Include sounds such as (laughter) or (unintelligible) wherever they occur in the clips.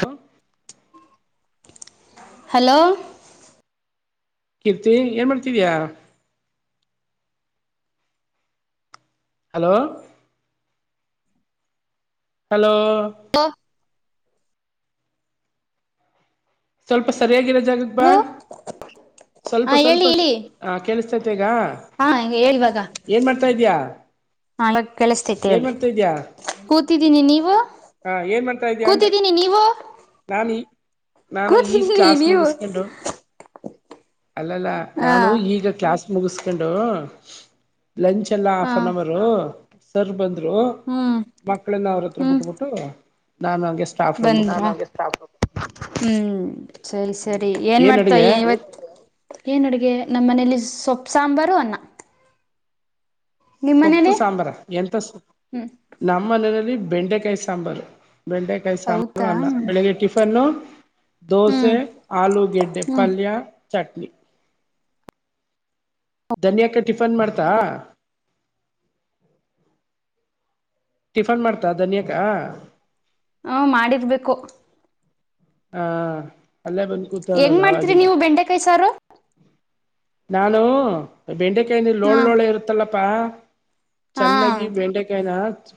ಹ ಹಲೋ ಕೀರ್ತಿ ಏನ್ ಮಾಡ್ತಿದ್ಯಾ ಹಲೋ ಹಲೋ ಹ ಸ್ವಲ್ಪ ಸರಿಯಾಗಿರೋ ಜಾಗ ಬಾ ಹಲೋ ಹಾ ಸ್ವಲ್ಪ ಹೇಳಿ ಸ್ವಲ್ಪ ಹೇಳಿ ಆ ಕೇಳಸ್ತೈತೆ ಈಗ ಹಾ ಹೇಳಿ ಏನ್ ಮಾಡ್ತಾ ಇದಯ ಹ ಕೇಳಿಸತೇತಿ ಹೇಳಿ ಕೂತಿದ್ದೀನಿ ನೀವು ಹಾ ಏನ್ ಮಾಡ್ತಾ ಇದ್ಯಾ ಅಂದ ಕೂತಿದ್ದೀನಿ ನೀವು ನಾನು ಈ ನಾನು ಈ ಕೂತಿದ್ದೀನಿ ಕ್ಲಾಸ್ ನೀವು ಮುಗಿಸ್ಕೊಂಡು ಅಲ್ಲಲ್ಲ ಹಾ ನಾನು ಈಗ ಕ್ಲಾಸ್ ಮುಗಿಸಕೊಂಡು ಲಂಚ್ ಎಲ್ಲ ಹಾ ಹಾಫ್ ಅನ್ ಅವರು ಸರ್ ಬಂದ್ರು ಹ್ಮ್ ಮಕ್ಕಳೆಲ್ಲ ಅವ್ರ ಹತ್ರ ಬಿಟ್ಬಟ್ಟ ನಾ ನಗೆ ಬಂದ ಹ್ಮ್ ಸರಿ ಸರಿ ಏನ್ ಮಾಡ್ತವ ಇವತ್ತು ಏನು ಅಡುಗೆ ನಮ್ಮ್ ಮನೇಲಿ ಸೊಪ್ಪು ಸಾಂಬಾರು ಅನ್ನ ನಿಮ್ಮ್ ಸೊಪ್ಪು ಮನೇಲಿ ಸಾಂಬಾರ ಎಂತ ಸ ಹ್ಮ್ ನಮ್ಮನೆಯಲ್ಲಿ ಬೆಂಡೆಕಾಯಿ ಸಾಂಬಾರು ಬೆಂಡೆಕಾಯಿ ಸಾಂಬಾರು ಹೌದಾ ಅನ್ನ ಬೆಳಿಗ್ಗೆ ಟಿಫನ್ನು ದೋಸೆ ಹ್ಮ್ ಆಲೂಗೆಡ್ಡೆ ಹ್ಮ್ ಪಲ್ಯ ಚಟ್ನಿ ಧನಿಯಾಕ್ಕ ಟಿಫನ್ ಮಾಡ್ತಾ ಟಿಫನ್ ಮಾಡ್ತಾ ಧನಿ ಯಕ್ಕ ಹ್ಮ ಮಾಡಿರ್ಬೇಕು ಹಾ ಅಲ್ಲೇ ಬಂದು ಕೂತಲ್ಲ ಹೆಂಗ್ ಮಾಡ್ತೀರಿ ಅವಗಿಂದ ನೀವು ಬೆಂಡೆಕಾಯಿ ಸಾರು ನಾನು ಬೆಂಡೆಕಾಯನ ಹಾ ಲೋಳ್ೋಳೆ ಇರುತ್ತಲ್ಲಪ್ಪಾ ಹಾ ಚೆನ್ನಾಗಿ ಬೆಂಡೆಕಾಯನ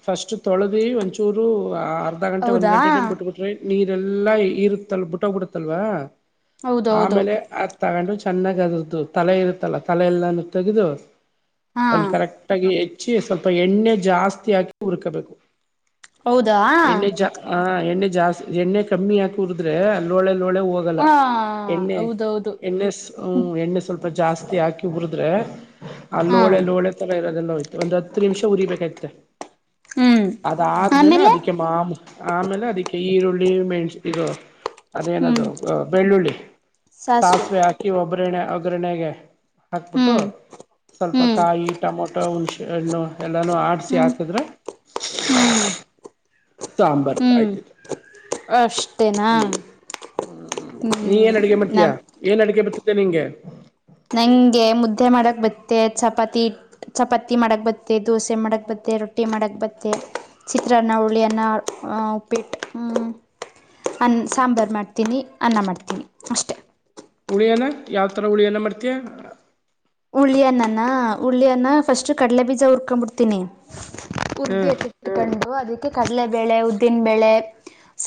ಫಸ್ಟ್ ತೊಳೆದು ಒಂಚೂರು ಅರ್ಧ ಗಂಟೆ ಒಂದು ಹೌದಾ ಗಂಟೆ ಟೈಮ್ ಬಿಟ್ಬಿಟ್ರಿ ನೀರೆಲ್ಲಾ ಇರುತ್ತಲ್ ಬಿಟ್ಟೋಗ್ಬ ಬಿಡುತ್ತಲ್ವ ಹೌದೌದು ಆಮೇಲೆ ಆ ತಗೊಂಡು ಚೆನ್ನಾಗ ಅದ್ರದ್ದು ತಲೆ ಇರುತ್ತಲ್ಲ ತಲೆ ಎಲ್ಲಾನು ತೆಗೆದು ಹಾ ಕರೆಕ್ಟ್ ಆಗಿ ಹಚ್ಚಿ ಸ್ವಲ್ಪ ಎಣ್ಣೆ ಜಾಸ್ತಿ ಹಾಕಿ ಉರ್ಕಬೇಕು ಹೌದಾ ಎಣ್ಣೆ ಜಾ ಹಾ ಎಣ್ಣೆ ಜಾಸ್ತಿ ಎಣ್ಣೆ ಕಮ್ಮಿ ಹಾಕಿ ಉರಿದ್ರೆ ಅಲ್ಲ ಲೋಳೆ ನೋಳೆ ಹ ಹೋಗಲ್ಲ ಎಣ್ಣೆ ಹೌದೌದು ಎಣ್ಣೆ ಹ್ಮ ಎಣ್ಣೆ ಸ್ವಲ್ಪ ಜಾಸ್ತಿ ಹಾಕಿ ಹುರಿದ್ರೆ ಆ ಲೋಳೆ ಹ್ಮ ಲೋಳೆ ತರ ಇರೋದೆಲ್ಲ ಹೋತು ಒಂದು ಹತ್ತು ನಿಮಿಷ ಉರಿಬೇಕಾಯತೆ ಹ್ಮ್ ಅದ ಆದಾದ್ಮೇಲೆ ಆಮೇಲೆ ಅದಿಕ್ಕೆ ಮಾಮೂಲಿ ಆಮೇಲೆ ಅದಿಕ್ಕೆ ಈರುಳ್ಳಿ ಮೆಣಸಿ ಇದು ಹ್ಮ್ ಅದೇನದು ಬೆಳ್ಳುಳ್ಳಿ ಸಾಸಿವೆ ಹಾಕಿ ಒಗೆ ಒಗ್ಗರಣೆಗೆ ಹಾಕ್ಬಿಟ್ಟು ಹ್ಮ್ ಸ್ವಲ್ಪ ಹ್ಮ್ ಕಾಯಿ ಟೊಮೊಟೊ ಹುಣಸೆ ಹಣ್ಣು ಎಲ್ಲಾನು ಆಡ್ಸಿ ಹ್ಮ್ ಹಾಕಿದ್ರೆ ಹ್ಮ್ ಸಾಂಬಾರ್ ಆಯ್ತು ಅಷ್ಟ್ ಹ್ಮ್ ಹ್ಮ್ ನೀ ಹ್ಮ್ ಏನ್ ಅಡಗೆ ಮಾಡತಿಯ ನಮ ಏನ್ ಅಡಗೆ ಬರ್ತತೆ ನಿಂಗೆ ನಂಗೆ ಮುದ್ದೆ ಮಾಡಕ್ ಬತ್ತೆ ಚಪಾತಿ ಚಪಾತಿ ಮಾಡಕ್ ಬತ್ತತೆ ದೋಸೆ ಮಾಡಕ್ ಬತ್ತ ಮತ್ತೆ ರೊಟ್ಟಿ ಮಾಡಕ್ ಬತ್ತೆ ಚಿತ್ರಾನ್ನ ಹುಳಿಯನ್ನ ಉಪ್ಪಿಟ್ ಹ್ಮ್ ಅನ್ನ ಸಾಂಬಾರು ಮಾಡ್ತೀನಿ ಅನ್ನ ಮಾಡ್ತೀನಿ ಅಷ್ಟೆ ಹುಳಿಯನ ಯಾವತರ ಹುಳಿಯನ ಮಾಡ್ತೀಯ ಹುಳ್ಳಿಯನ್ನಾನ ಹುಳಿಯನ್ನ ಫಸ್ಟ್ ಕಡ್ಲೆ ಬೀಜ ಹುರ್ಕೊಂಡ್ಬಿಡ್ತೀನಿ ಹ್ಮ್ ಉರ್ದಿತ್ತಟ್ಕೊಂಡು ಅದಕ್ಕೆ ಕಡಲೆಬೇಳೆ ಉದ್ದಿನಬೇಳೆ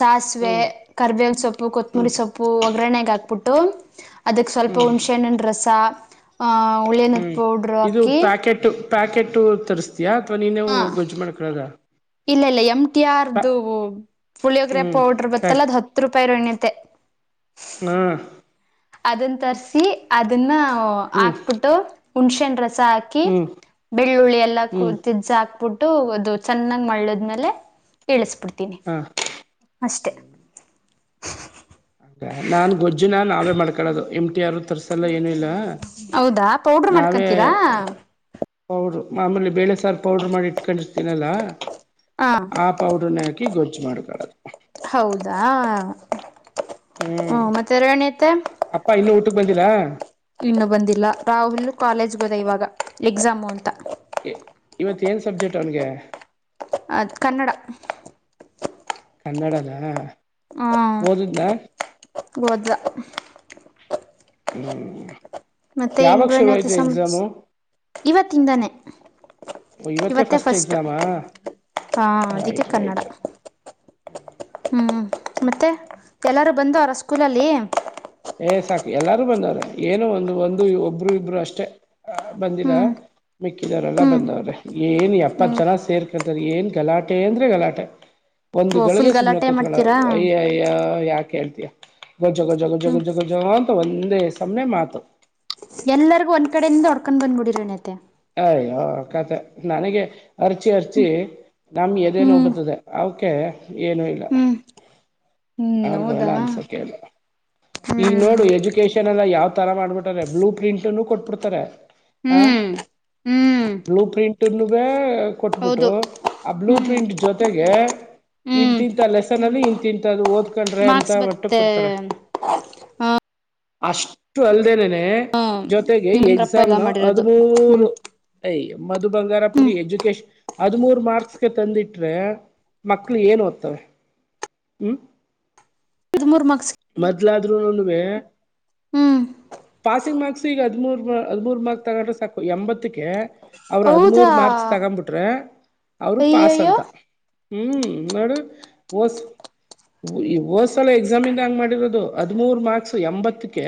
ಸಾಸಿವೆ ಹ್ಮ್ ಕರ್ಬೇವನ ಸೊಪ್ಪು ಹ್ಮ್ ಕೊತ್ತಂಬರಿ ಸೊಪ್ಪು ಒಗ್ಗರಣೆಗೆ ಹಾಕ್ಬಿಟ್ಟು ಅದಕ್ ಸ್ವಲ್ಪ ಹ್ಮ್ ಹುಣ್ಸೆಹಣ್ಣನಾ ರಸ ಹುಳಿಯನ್ನದ ಹ್ಮ್ ಪೌಡ್ರು ಇದು ಹಾಕಿ ಪ್ಯಾಕೆಟು ಪ್ಯಾಕೆಟ್ ತರಿಸ್ತಯಾ ಅಥವಾ ನೀವು ಹಾಂ ಗೊಜ್ಜು ಮಾಡ್ಕಳದ ಇಲ್ಲ ಇಲ್ಲ ಎಂ ಟಿ ಆರ್ ಫೋಲಿಯೋಗಾರೆ ಹ್ಮ್ ಪೌಡರ್ ಬರ್ತ್ತಲ್ಲ ಅದು ಹತ್ತು ರೂಪಾಯಿ ರೋಹಿಣಿ ಅಮ್ಮ ತ್ತ ಹ್ಮ ಅದನ್ನ ತರ್ಸಿ ಅದನ್ನ ಹ್ಮ್ ಹಾಕ್ಬಿಟ್ಟು ಹುಣಸೆನ್ ರಸ ಹಾಕಿ ಹ್ಮ್ ಬೆಳ್ಳುಳ್ಳಿ ಎಲ್ಲ ಹ್ಮ್ ಕಜ ಹಾಕ್ ಬಿಟ್ಟು ಅದು ಚೆನ್ನಾಗ್ ಮಳ್ಳದ್ಮೇಲೆ ಇಳಿಸಬಿಡ್ತವಿ ಹಾ ಅಷ್ಟೆ ಹ ನಾನ್ ಗೊಜ್ಜುನ ನಾವೇ ಮಾಡ್ಕಳೋದು ಎಂ ಟಿ ಟಿ ಆರ್ ತರ್ಸಲ್ಲ ಏನುೂ ಇಲ್ಲ ಹೌದಾ ಪೌಡ್ರ್ ನಾವೇ ಮಾಡ್ಕೊಂತೀರಾ ಪೌಡ್ರು ಆಮೇಲೆ ಬೇಳೆ ಸಾರು ಪೌಡ್ರು ಮಾಡಿ ಇಟ್ಕೊಂಡಿರ್ತೀನಲ್ಲ ಹಾ ಆ ಪೌಡರ್ನ ಹಾಕಿ ಗೊಜ್ಜು ಮಾಡ್ಕೊಳ್ಳದು ಹು ಮತ್ತೆ ರೋಹಿಣಿ ಅತ್ತೆ ಅಪ್ಪ ಇನ್ನೂ ಊಟಕ್ಕೆ ಬಂದಿಲ್ಲ ಇನ್ನು ಬಂದಿಲ್ಲ ರಾಹುಲ್ ಕಾಲೇಜ್ ಹೋದ ಇವಾಗ ಎಕ್ಸಾಮು ಅಂತ ಇವತ್ ಏನ್ ಸಬ್ಜೆಕ್ಟ್ ಅವನಿಗೆ ಅದ್ ಕನ್ನಡ ಕನ್ನಡದಾ ಓದುದ್ನ ಓದ ಹ್ಮ್ ಮತ್ತೆ ಏನ್ ರೋಹಿಣಿ ಅತ್ತೆ ಸಮಾಚಾರ ಇವತ್ತಿಂದಾನೆ ಇವತ್ತೇ ಫಸ್ಟ್ ಹ ಅದಿಕ್ಕೆ ರೈಟ್ ಕನ್ನಡ ರೈಟ್ ರೈಟ್ ಹ್ಮ್ ಮತ್ತೆ ಎಲ್ಲಾರೂ ಬಂದವಾರ ಸ್ಕೂಲಲ್ಲಿ ಏ ಸಾಕು ಎಲ್ಲಾರೂ ಬಂದವ್ರ ಏನು ಒಂದು ಒಂದು ಒಬ್ಬರು ಇಬ್ರು ಅಷ್ಟೇ ಬಂದಿಲ್ಲಾ ಹ್ಮ್ ಮಿಕ್ಕಿದವರೆಲ್ಲ ಹ್ಮ್ ಬಂದವ್ರೆ ಏನ್ ಎಪ್ಪತ್ ಹ್ಮ್ ಜನ ಸೇರ್ಕರ್ತಾರ ಏನ್ ಗಲಾಟೆ ಅಂದ್ರೆ ಗಲಾಟೆ ಒಂದು ಓ ಗಳಿಗೆ ಫುಲ್ ಸುಮ್ನೆ ಗಲಾಟೆ ಕೂತ್ಕೊಳ್ಳ ಮಾಡ್ತೀರಾ ಅಯ್ಯ ಅಯ್ಯ ಯಾಕೆ ಹೇಳ್ತಿಯಾ ಗೊಜ್ಜ ಗೊಜ ಹ್ಮ್ ಗೊಜ ಗೊ ಗೊಜ ಗೊಜ ಗೊಜ ಅಂತ ಒಂದೇ ಸಮನೆ ಮಾತು ಎಲ್ಲರಿಗೂ ಒಂದ ಕಡೆಯಿಂದ ಹೊಡ್ಕೊಂಡು ಬಂದುಬಿಡಿರಿ ರೋಹಿಣಿ ಅತ್ತೆ ಅಯ್ಯೋ ಕತ ನನಗೆ ಅರ್ಚಿ ಅರ್ಚಿ ಹ್ಮ್ ನಮ್ಮ್ ಎದೇ ಹ್ಮ್ ನೋವ್ ಬರ್ತದೆ ಅವ್ ಕೆ ಏನು ಇಲ್ಲ ಹ್ಮ್ ಹ್ಮ್ ಅವ್ರಗು ಎಲ್ಲ ಹೌದಾ ಅನ್ಸೋಕೆಲ್ಲ. ಈಗ ಹ್ಮ್ ನೋಡು ಎಜುಕೇಶನ್ ಎಲ್ಲ ಯಾವ್ ತರ ಮಾಡ್ಬಿಟಾರೆ ಬ್ಲೂ ಪ್ರಿಂಟ್ನ್ನು ಕೊಟ್ಬಿಡ್ತಾರೆ. ಹ ಹ್ಮ್ ಹ್ಮ್ ಬ್ಲೂ ಪ್ರಿಂಟ್ನು ವೆ ಕೊಟ್ಬಿಟ್ಟು ಹೌದು ಆ ಬ್ಲೂ ಹ್ಮ್ ಪ್ರಿಂಟ್ ಜೊತ ಜೊತೆಗೆ ಹ್ಮ್ ಇಂತಿಂತ ಲೆಸನ್ ಅಲ್ಲಿ ಇಂತಿತದ ಓದ್ ಕೊಂಡ್ರೆ ಅಂತ ಮಾರ್ಕ್ಸ್ ಮಟ್ಟಕ್ ಬತ್ತೆ ಕೊಡ್ತಾರೆ ಅಷ್ಟು ಅಲ್ದೇನನೆ ಹ ಜೊತೆಗೆ ನಿಮಂದ್ರಪ್ಪ ಎಕ್ಸಾಮ್ ಎಲ್ಲ ನ ಮಾಡಿರೋದು ಹ್ಮ್ ಹದ್ಮೂರು. ಐಯ್ಯ ಮಧು ಬಂಗಾರಪ್ಪಗೆ ಹ್ಮ್ ಎಜುಕೇಶನ್ ಹದ್ಮುಂರ್ ಮಾರ್ಕ್ಸ್ಗೆ ತಂದಿಟ್ರೆ. ಮಕ್ಳು ಎನ್ ಓದ್ತವೆ ಹ್ಮ್ ಹದಮೂರು ಮಕ್ಸ. ಅದುನುನುವೆ ಪಾಸಿಂಗ್ ಮಾರ್ಕ್ಸ್. ತಿಗಾ ಹದಮೂರ್ ಬ ಹದಮೂರು ಮಾರ್ಕ್ ತಗೊಂಡ್ರ ಸಾಕು ಎಂಬತ್ ಗೆ ಅವ್ರ ಹೌದಾ ಹದಿಮೂರ್ ಮಾರ್ಕ್ಸ್ ತಗನ್ಬುಟ್ರೆ ಅವ್ರು ಪಾಸ್ ಅಯ್ಯಯ್ಯೋ ಅಂತ. ಹ್ಮ್ ನೋಡು ಹೊಸ್ ಏ ಓದ್ಸಲ ಎಕ್ಸಾಮ್ ಯಿಂದ ಹಂಗ ಮಾಡಿರೋದು ಹದುಮೂರು ಮಾರ್ಕ್ಸ್ ಎಂಬತ್ತಕ್ಕೆ.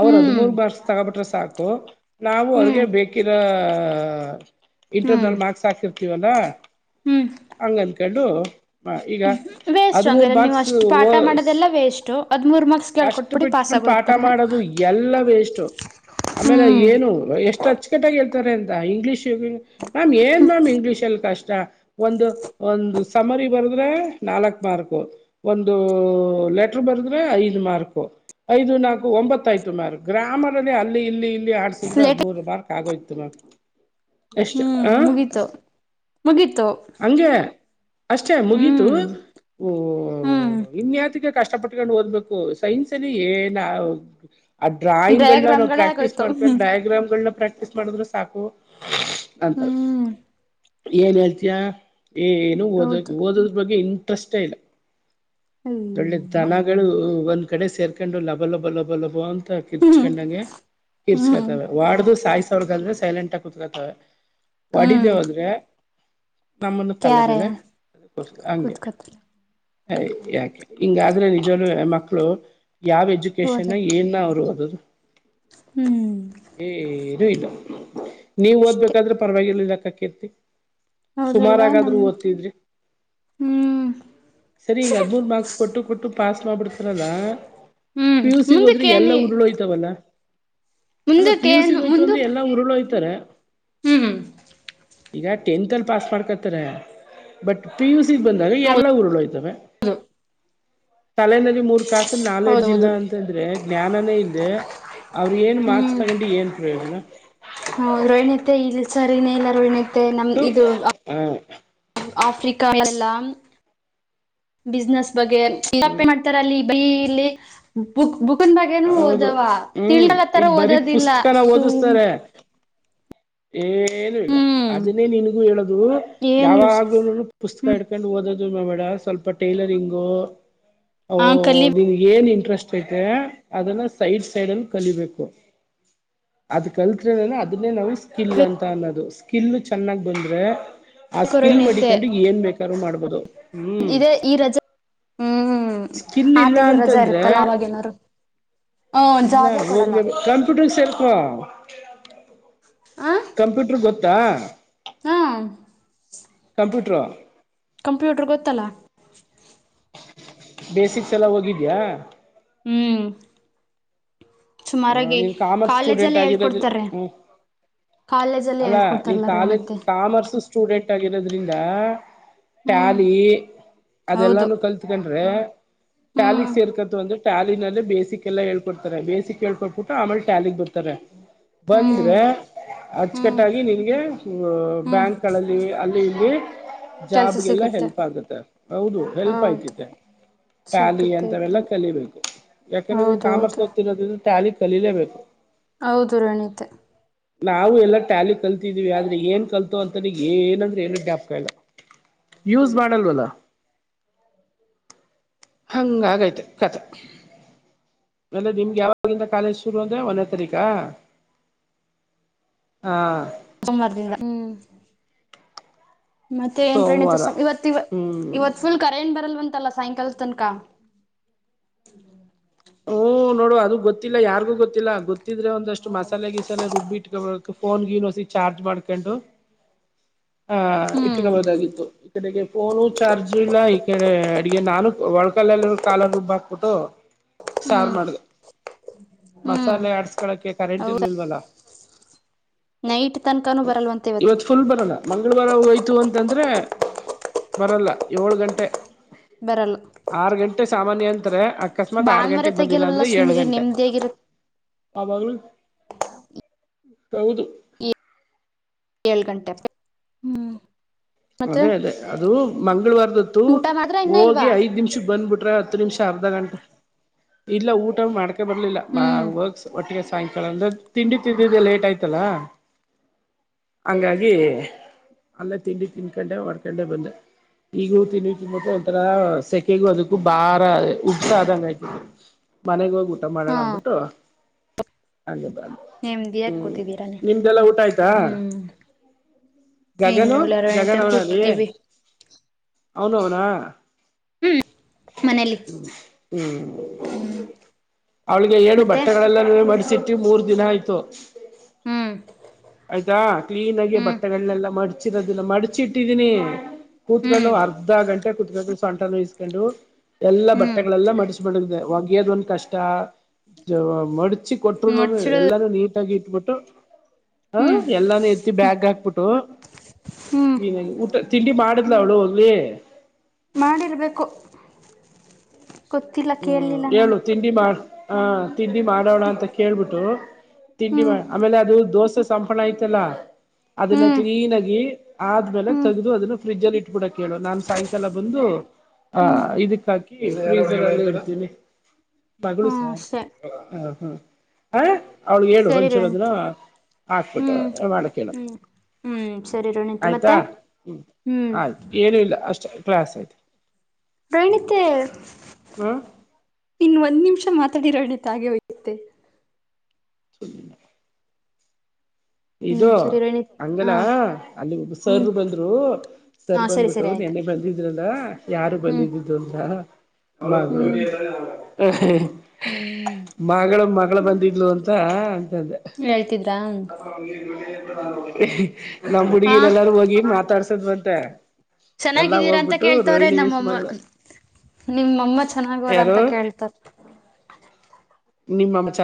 ಅವ್ರ ಹ್ಮ್ ಹದ್ಮೂರ್ ಮಾರ್ಕ್ಸ ತಗಬಟ್ರೆ ಸಾಕು ನಾವು ಹ್ಮ್ ಅವ್ರಿಗೆ ಬೇಕಿರ ಹ್ಮ್ ಇಂಟರ್ನಲ್ ಮಾರ್ಕ್ಸ್ ಹಾಕಿರ್ತೀವಲ್ಲ ಹ್ಮ್ ಹಂಗಂದಕೊಂಡು. ಹ ಈಗ ಹ್ಮ್ ವೇಸ್ಟ್ ಹದ್ಮೂರು ಹಂಗಾರ ನೀವು ಮಾರ್ಕ್ಸ ಅಷ್ಟು ಓ ಪಾಠ ಮಾಡೋದೆಲ್ಲ ವೇಸ್ಟು ಹದ್ಮೂರ್ ಮಾರ್ಕ್ಸ್ ಕಷ್ಟ ಕೇಳ್ಕೊಟ್ಬಿಡಿ ಪಾಸ್ ಬಿಟ್ಕಂಡ್ ಪಾಠ ಆಗೋಯ್ತಾರೆ ಮಾಡೋದು ಎಲ್ಲ ವೇಸ್ಟ್ ಆಮೇಲೆ ಹ್ಮ್ ಏನು ಎಷ್ಟು ಅಚ್ಚಕಟ್ಟಾಗಿ. ಕೆಳ್ತಾರೆ ಅಂತ ಇಂಗ್ಲೀಷ್ ಮಾಮ್ ಏನ್ ಮ್ಯಾಮ್ ಇಂಗ್ಲೀಷ್ ಅಲ್ ಕಷ್ಟ ಚಾ ಒಂದ ಒಂದು ಸಮ್ಮರಿ ಬರದ್ರೆ ನಾಲ್ಕು ಮಾರ್ಕು ಒಂದು ಲೆಟರ್ ಬರದ್ರೆ ಐದು ಮಾರ್ಕ್ ಐದು ನಾಲ್ಕು ಒಂಬತ್ತೈತು ಮಾರ್ಕ್ ಗ್ರಾಮರ್ ಅಲ್ಲಿ ಇಲ್ಲಿ ಇಲ್ ಲಿ ಆಡ್ಸಿದ್ರ ಲೇಟ್ ಹದ್ಮಮುರ್ ಮಾರ್ಕ್. ಆಗೋಯ್ತು ಮ್ಯಾಮ್ ಎಷ್ಟ ಹ್ಮ್ ಆ ಮುಗಿತು ಮುಗೀತು ಹಂಗೆ ಅಷ್ಟೇ ಮುಗೀತು ಹ್ಮ್ ಓ ಹ್ಮ್ ಇನ್ಯತ ಇಗೆ ಕಷ್ಟ ಪಟ್ಕೊಂಡು ಓದ್ಬೇಕು ಸೈನ್ಸ್ ಅಲ್ಲಿ ಏನ್ ಆ ಆ ಡ್ರಾಯಿಂಗ್ಗಳನ್ನ ನಾವು ಡಯಾಗ್ರಾಮ್ಗಳೇ ಪ್ರಾಕ್ಟೀಸ್ ಆಗೋಯ್ತು ಮಾಡ್ಕೊಂಡು ಹ್ಮ್ ಡಯಾಗ್ರಾಮ್ಗಳನ್ನ ಪ್ರಾಕ್ಟೀಸ್ ಮಾಡದ್ರೆ ಸಾಕು. ಅಂತಾರೆ ಹ್ಮ್ ಏನ್ ಹೇಳ್ತೀಯ ಏನು ಹೌದು ಓದಕ ಓದುದ್ರ ಬಗ್ಗೆ ಇಂಟ್ರೆಸ್ಟ್ ಇಲ್ಲ. ಒಳ್ಳೆ ಅಯ್ಯೋ ದನಗಳು ಒಂದ್ ಕಡೆ ಸೇರ್ಕೊಂಡು ಲಭ ಲಭ ಲಭ ಲಭೋ ಅಂತ. ತ ಹ್ಮ್ ಕಿರ್ಚಕೊಂಡಂಗೆ ಹ್ಮ್ ಕಿರ್ಚ್ಕೊತವೆ ವಡ್ದು ಸಾಯಿ ಸೋವರ್ಗೆ ಸೈಲೆಂಟ್ ಆಗ್ ಕುತ್ಕತಾವೆ. ಹೊಡಿದೆ ಹ್ಮ್ ಹೋದ್ರೆ. ನಮ್ಮನ್ನು ತಲೆ ಕ್ಯಾರೆ ಮೇಲೆ (unintelligible) ಹಂಗೆ ಕೂತ್ಕೋತಾರ ಐ ಯಾಕ್ ಹಿಂಗಾದ್ರೆ ನಿಜವಾಲುವೆ ಮಕ್ಳು ಯಾವ್ ಹೋದ ಎಜುಕೇಶನ್ ಏನ್ ಅವ್ರು ಓದದು. ಹ್ಮ್ ಏನು ಇಲ್ಲ. ನೀವ ಅಷ್ಟೆ ಓದ್ಬೇಕಾದ್ರೆ ಪರವಾಗಿರ್ಲ್ಲಾಕ್ಕ ಕೀರ್ತಿ. ಹೌದಲ್ವಾ ನಮ್ ಸುಮಾರಗಾದ್ರೂ ಓತಿದ್ರಿ ಹ್ಮ್ ಸರಿ ಈಗ್ ಹದಮೂರ್ ಮಾರ್ಕ್ಸು ಕೊಟ್ಟು ಕೊಟ್ಟು ಪಾಸ್ ಮಾಡ್ಬಿಡ್ತಾರಲ್ಲ ಹ್ಮ್ ಪಿ ಯು ಸಿಗ್ ಹೋದ್ರಿ ಮುಂದಕ್ಕೆ ಎಲ್ಲಾ ಏನಿ ಉರುಳೋಯ್ತವಲ್ಲ. ಅಲ್ಲಾ ಪಿ ಮುಂದಕ್ಕೆ ಯು ಸಿಗ ಏನು ಹೋಯ್ತು ಮುಂದು ಅಂದ್ರೆ ಎಲ್ಲಾ ಉುರುಳು ಹೋಯ್ತಾರೆ. ಹ್ಮ್ ಈಗ ಟೆಂತ್ ಅಲ್ ಪಾಸ್ ಮಾಡ್ಕೊತಾರೆ ಬಟ್ ಪಿ ಯು ಸಿ ಬಂದಾಗ ಹೌದು ಎಲ್ಲ ಉರುಳೊಯ್ತವೆ. ತಲೆನಲ್ಲಿ ಮೂರ್ ಕಾಸದ್ ನಾಲೆಡ್ಜ ಇಲ್ಲ ಹೌದೌದು ಅಂತಂದ್ರೆ ಜ್ಞಾನನೇ ಇಲ್ದೆ ಅವ್ರ ಏನ್ ಮಾರ್ಕ್ಸ್ ಹ್ಮ್ ತಗೊಂಡು ಏನ್ ಪ್ರಯೋಜನ ಹ ರೋಹಿಣಿತೆ ಇಲ್ಲಿ ಸರಿನೇ ಇಲ್ಲ ರೋಹಿಣಿ ತೆ ನಮ್ ಹ ಇದು ಆ ಆಫ್ರಿಕಾ ಎಲ್ಲಾ ಬಿಸ್ನೆಸ್ ಬಗ್ಗೆ ಹ್ಮ್ (unintelligible) ಮಾಡ್ತಾರ ಅಲ್ಲಿ. ಭಯ ಇಲ್ಲಿ ಬುಕ್ ಬುಕ್. ಬುಕ್ಕನ್ ಬಗ್ಗೆನು ಹೌದು ಓದವಾ ಹ್ಮ್ ತಿಳಾಗತ್ತರ ಇಲ್ಲಿ ಬರೀ ಓದೋದಿಲ್ಲ ಪುಸ್ತಕನ ಸುಮ್ ಏನುೂ ಇಲ್ಲ ಹ್ಮ್ ಅದನ್ನೇ ನಿನಗೂ ಹೇಳುದು ಏನ್ ಯೂಸ್ ಯಾವಾಗ್ಲೂನುನು ಪುಸ್ತಕ ಹ್ಮ್ ಹಿಡ್ಕೊಂಡು ಓದದ್ ಎನ್ ಮಾಡ್ಬೇಡ ಸ್ವಲ್ಪ ಟೆಲರಿಂಗ ಹ ಆ ನಿಂಗ್ ಏನ್ ಇಂಟ್ರೆಸ್ಟ್ ಐತೆ ಅದಲ್ಲ ಸೈಡ್ ಸೈಡ್ ಅಲ್ಲಿ ಕಲಿಬೇಕು. ಅದ್ ಕಲ್ತ್ರೆ ನಾನ ಅದನ್ನೇ ನಾವವು ಸ್ಕಿಲ್ ಕಲಿಬೇಕು ಅಂತ ಅನ್ನೋದು ಸ್ಕಿಲ್ ಚೆನ್ನಾಗ್ ಬಂದ್ರೆ. ಆ ಸ್ಕಿಲ್ ರೋಹಿಣತೆ ಮಡಿಕಂಡು ಏನ್ ಬೇಕಾರೂ ಮಾಡ್ಬೋದು ಹ್ಮ್. ಇದೇ ಈ ರಜೆ ಹ್ಮ್ ಸ್ಕಿಲ ಆ ಇಲ್ಲ ತಿಂಗಳು ರಜಾ ಅಂತಂದ್ರೆ. ಇರುತ್ತಲ್ಲ ಅವಾಗೇನಾರು ಹ ಇಲ್ಲ ಜಾಬೇ ಕೊಡಲ್ಲ ಹೋಗ ಕಂಪ್ಯೂಟರ್ ಸೆರ್ಕೋ. ಆ ಕಂಪ್ಯೂಟರ್ ಗೊತ್ತಾ. ಹಾ. ಕಂಪ್ಯೂಟರ್. ಕಂಪ್ಯೂಟರ್ ಗೊತ್ತಲ್ಲ. ಬೇಸಿಕ್ಸ್ ಎಲ್ಲ ಹೋಗಿದ್ಯಾ. ಹ್ಮ್. ಹ ಸುಮಾರಾಗಿ ನೀನ್ ಕಾಮರ್ಸ್ ಸ್ಟೂಡೆಂಟ್ ಕಾಲೇಜಲ್ಲೇ ಆಗಿರೋದು ಹೇಳ್ಕೊಡ್ತಾರೆ ಹ್ಮ್. ಕಾಲೇಜಲ್ಲೇ ಅಲ್ಲಾ ನೀನ್ ಹೇಳ್ಕೊಡ್ತಾರಲ್ಲ ಕಾಲೇಜ್ ರೇಣುತೆ ಕಾಮರ್ಸ್ ಸ್ಟೂಡೆಂಟ್ ಆಗಿರೋದ್ರಿಂದ. ಹ್ಮ್ ಟ್ಯಾಲಿ ಹೌದು ಅದೆಲ್ಲಾನು ಕಲ್ತ್ಕಂಡ್ರೆ. ಟ್ಯಾಲಿಕ್ ಹ್ಮ್ ಸೇರ್ಕಂತ ಅಂದ್ರೆ ಟ್ಯಾಲಲ್ಲಿ ಬೇಸಿಕ್ ಎಲ್ಲ ಹೇಳ್ಕೊಡ್ತಾರೆ ಬೇಸಿಕ್ ಕೇಳ್ಕೊೊಂಡಬಿಟ್ಟ ಆಮೇಲೆ ಟ್ಯಾಲಗ್ ಬರ್ತಾರೆ ಹ್ಮ್ ಬಂದ್ರೆ. ಹ್ಮ್ ಅಚ್ಚಕಟ್ಟಾಗಿ ನಿನ್ಗೆ ಹ್ಮ್ ಬ್ಯಾಂಕ್ಗಳಲ್ಲಿ ಅಲ್ಲಿ ಇಲ್ಲಿ. ಕೆಲ್ಸ ಜಾಬ್ಗೆಲ್ಲಾ ಸಿಗುತ್ತೆ ಹೆಲ್ಪ್ ಆಗುತ್ತೆ ಹೌದು ಹೆಲ್ಪ್ ಹೌದು ಆಯ್ತಿತೆ. ತ್ಯಾಲಿ ಸಿಗುತ್ತೆ ಅಂತವೆೆಲ್ಲಾ ಇತೇನೆ ಕಲಿಬೇಕು ಯಾಕಂದ್ರೆ ಈ ಹೌದು ಕಾಮರ್ಸ್ ಹೌದು ಓದತ್ತತಿರೋದ. ತ್ಯಾಲಿ ಕಲಿಲೇಬೇಕು. ಹೌದು ರಣೀತೆ. ನಾವವು ಎಲ್ಲಾ ಟ್ಯಾಲಿ ಕಲ್ತಿದೀವಿ ಆದ್ರೆ ಏನ್ ಕಲ್ತೋ ಅಂತಾನ ಏನಂದ್ರೆ ಏನ ಡ್ಯಾಪ್ ಕಾಯಲ್ಲ. ಯೂಸ್ ಮಾಡಲ್ವಲ್ಲ. ಹಂಗ ಆಗೋಯ್ತು ಕಥೆ. ಆಮೇಲೆ ನಿಮ್ಗೆ ಯಾವಾಗಿಂದ ಕಾಲೇಜ್ ಶುರು ಅಂದ್ರೆ ಒಂದೇ ತಾರೀಕ. ಹಾ. ಸೋಮವಾರದಿಂದ ಹ್ಮ್. ಮತ್ತೆ ಏನ್ ಸೋಮವಾರ ಪ್ರಣೀತಸ ಇವತ್ ಹ್ಮ್ ಇವತ್ ಫುಲ್ ಕರೆ ಏನ್ ಬರಲ್ವಂತ. ತಲ್ಲ ಸಾಯಂಕಾಲ ತನಕ. ಹ ನೋಡು ಅದು ಗೊತ್ತಿಲ್ಲ ಯಾರಿಗೂ ಗೊತ್ತಿಲ್ಲ ಗೊತ್ತಿದ್ರೆ ಒಂದಷ್ಟು ಮಸಾಲೆ ಗೀಿಸಾಲೆ ರುಬ್ಬಿಟ್ಕೊ ಬರುತ್ತು. ಫೋನ್ ಗನೋಸಿ ಚಾರ್ಜ್ ಮಾಡ್ಕೊಂಡು. ಹ ಹ್ಮ್ ಇಟ್ಕಬಹುದಾಗಿತ್ತು ಈ ಕಡೆಗೆ ಫೋನು ಚಾರ್ಜ್ ಇಲ್ಲ ಈ ಕಡೆ ಅಡಿಗೆ ನಾನು. ಒಳಕಲ್ಲ ಎಲ್ಲೂ ಕಾಲ ರುಬ್ಬ ಹಾಕ್ಬಿಟ್ಟು. ಸಾರು ಹ್ಮ್ ಮಾಡ್ದ ಹ್ಮ್ ಮಸಾಲೆ ಅಡ್ಸ್ಕಳಕೆ ಕರೆಂಟ್ ಹೌದಾ ಇರ್ಲಿಲ್ವಲ್ಲ. ನೈಟ್ ತನಕಾನೂ ಬರಲ್ವಂತೆ ಇವತ್ತು ಇವತ್ ಫುಲ್ ಬರೋಣ ಮಂಗಳವಾರ ಹೊತ್ತ ಹೋಯ್ತು ಅಂತಂದ್ರೆ ಬರಲ್ಲ ಏಳ್ ಗಂಟೆ. ಬರಲ್ಲ. ಆರು ಗಂಟೆ ಸಾಮಾನ್ಯ ಅಂತತ್ರ ಅಕಸ್ಮಾತ್ ಆರ್ ಭಾನುವಾರ ಗಂಟೆೆಗೆ ಬಂದಿಲ್ಲ ತೆಗಿಯಲ್ವಲ್ಲ ಅಂದ್ರೆ ಏಳ್ ಸುಮ್ನಿರಿ ಗಂಟೆ. ನೆಮ್ಮದಿಯಾಗಿರ (unintelligible) ಏಳು ಗಂಟೆ ಹ್ಮ್. ಮತ್ತೆ ಅದೇ ಅದೇ ಅದು ಮಂಗಳವಾರದತ್ತು ಊಟ ಮಾಡ್ರ ಇನ್ನ ಹೋಗಿ ಇಲ್ವಾ ಐದ್ ನಿಮಿಷ ಬಂದ್ಬಿಟ್ ಹತ್ತು ನಿಮಿಷ ಅರ್ಧ ಗಂಟೆ ಇಲ್ಲ ಊಟ ಮಾಡ್ಕೆ ಬರ್ಲಿಲ್ಲ ಹ್ಮ್ ಒಟ್ಟಿಗೆ. ಸಾಯಂಕಾಲ ಅಂದ್ರೆ ತಿಂಡಿ ತಿದ್ದಿದ್ದ ಲೇಟ್ ಆಯ್ತಲ್ಲ. ಹಂಗಾಗಿ ಅಲ್ಲೇ ತಿಂಡಿ ತಿನ್ಕೊಂಡೆ ಹೊಡ್ಕೊಂಡೆ ಬಂದೆ. ಈಗೂ ತಿನ್ನ ತಿನ್ತ್ತೆ ಒಂಥರ ಸೆಕೆಗು ಅದಕ್ಕೂ ಬಾರ ಉಡ್್ದ ಆದಂಗ ಆಯ್ತತಿ. ಮನೆಗ್ ಹೋಗಿ ಊಟ ಹಾ ಮಾಡೋಣ ಆಗ್ಬಿಟ್ಟು ಹಾಗ. ನೆಮ್ದಿಯಾಗ ಕೂತಿದ್ದೀರ ನೀವ ಊಟ ಆಯ್ತಾ ಹ್ಮ್. ಇನ್ನು ಗಗನು ಎಲ್ಲಾರಂತೆ ಗಗನ್ ಅವನಲ್ಲಿ ಕೂತಿದ್ದೀವಿ ಅವನು ಅವೌನಾ. ಹ್ಮ್. ಮನೇಲಿ ಹ್ಮ ಹ್ಮ್ ಹ್ಮ್ ಅವಳಿಗೆ ಏಳು ಮತ್ತೆ ಬಟ್ಟೆಗಳೆಲ್ಲ. ಸಿಟ್ಟಿ ಮೂರ್ ದಿನ ಆಯ್ತು. ಹ್ಮ್ ಆಯ್ತಾ ಕ್ಲೀನ್ ಆಗಿ ಹ್ಮ್ ಬಟ್ಟೆಗಳನ್ನೆಲ್ಲ ಮಾಡಚಿ. ಇದನ್ನ ಮಡಚಿ ಇಟ್ಟಿದೀನಿ ಕೂತ್ಕೊಂಡು ಹ್ಮ್ ಅರ್ಧ ಗಂಟೆ ಕೂತ್ಕೊಂಡು ಸೊಂಟ ನುಯಿಸಸ್ಕೊಂಡು. ಎಲ್ಲಾ ಹ್ಮ್ ಬಟ್ಟೆಗಳೆಲ್ಲ ಮಡಿಸಬಿಡೆ ಒಗೆಯದ ಒಂದ್ ಕಷ್ಟ ಮ. ಹಚ್ಚಿ ಕೊಟ್ರು ಮುಡ್ಚಿಡ ಎಲ್ಲಾರೂ ನೀಟಾಗಿ ಇಟ್ಬಿಟ್ಟು. ಹ ಹ್ಮ್ ಎಲ್ಲಾನ ಎತ್ತಿ ಬ್ಯಾಗ್ ಹಾಕ್ಬಿಟ್ಟು. ಹ್ಮ್ ಮನಾಗ ಊಟ ತಿಂಡಿ ಮಾಡಿದ್ಲ ಅವ್ಳು ಹೋಗ್ಲಿ. ಮಾಡಿರ್ಬೇಕು. ಗೊತ್ತಿಲ್ಲ ಹ್ಮ್ ಕೇಳಲಿಲ್ಲ ನಾನು ಹೇಳು ತಿಂಡಿ ಮಾಡ. ಹ ತಿಂಡಿ ಮಾಡೋಣ ಅಂತ ಕೇಳ್ಬಿಟ್ಟು ತಿಂಡಿ ಹ್ಮ್ ಮಾಡ ಆಮೇಲೆ ಅದು ದೋಸೆ. ಸಂಪಳ ಐತಲ್ಲಾ. ಅದನ್ನ ಹ್ಮ್ ಕ್ಲೀನ್ ಆಗಿ ಆದ್ಮೇಲೆ ಹ್ಮ್ ಹ್ಮ್ ತೆಗೆದು ಅದನ್ನ ಫ್ರಿಜ ಅಲ್ಲಿ ಇಟ್ಬಿಡಕ್ ಹೇಳೇಳು ನಾನ್ ಸಾಯಂಕಾಲ ಬಂದು. ಹಾ ಹ್ಮ್ ಇದಕ್ಕಾಕ. ಮಗಳು ಹ್ಮ್ ಸಾರ್ ಸರಿ ಹ ಹಾ. ಹ ಅವ್ಳಗ್ ಹೇಳು ಸರಿ ಒಂಚೂರುದನ ರೇಣುಕಾ ಹಾಕ್ಬಿಟ್ಟು ಹ್ಮ್ ಮಾಡಕ್ ಹೇಳಪ್ಪ. ಹ್ಮ್ ಹ್ಮ್ ಸರಿ ರೋಣಿತ ಮತ್ತೆ ಆಯ್ತಾ್ಮ ಹ್ಮ್ ಆಯ್ತು ಏನು ಇಲ್ಲ ಅಷ್ಟ ಆಯ್ತು. ಕ್ಲಾಸ ಅಥ. ಪ್ರಣಿತೆ ಇನ್ ಒಂದ್ ನಿಮಿಷ. ಮಾತಾಡಿರಣಿತ ಹಾಗೆ ಹಯ್ಯುತ್ತೆ. (inaudible) ಹ್ಮ್ ಇದು ಸರಿ ರಣಿ. ಹಂಗಲ್ಲ ಅಲ್ಲಿ ಒಬ್ ಸರ್ ಬಂದ್ರು ಸರ್ ಹಾ ಸರಿ ಬಂದ್ಬಿಟ್ಟು ಸರಿ ಆಯ್ತು ನಿನ್ನೆ ಬಂದಿದ್ರಲ್ಲ. ಯಾರು ಹ್ಮ್ ಬಂದ್ದಿದ್ದು ಅಂತ. (inaudible) ಹ್ಮ್ ಹ್ಮ್ ಮಗಳ ಮಾ. ಮಳ ಬಂದಿದ್ಲು ಅಂತ. ಹೇಳ್ತಿದ್ರ. ನಮ ಹಾ ಹುಡ್ಗಿಿನ ಎಲ್ಲಾರು ಹೋಗಿ ಮಾತಾಡ್ಸ. ಬಂತೇ. ಚೆನ್ನಾಗಿದ್ದೀರಾ ಅಂತ ಕೇಳ್ತವ್ರೆ ನಮ್ಮಮ್ಮ. ಮಗಳು ನಿಮ್ಮಮ್ಮ ಚೆನ್ನಾಗ್ವರ ಅಂತ ಕೇಳ್ತಾರ. ನಿಮ್ಮಾಮಚ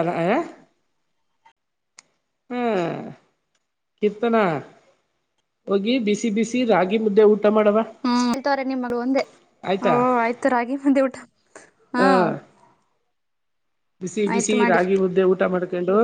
ಹ್ಮ. ಕಿರ್ತನಾ ಹೋಗಿ ಬಿಸಿ ಬಿಸಿ ರಾಗಿ ಮುದ್ದೆ ಉಟ್ಟ. ಹ್ಮ್ ಇತ್ರ ನಿಮ್ಮಗ್ ಒಂದೇ ಓ ಆಯ್ತಾ ಆಯ್ತು ರಾಗಿ ಮಂದಿ ಊಟ. ಹಾ. ಹ ಬಿಸಿ ಬಿಸಿ ಆಯ್ತು ಮಾಡಿ ರಾಗಿ ಮುದ್ದೆ ಊಟ ಮಾಡ್ಕೊಂಡು.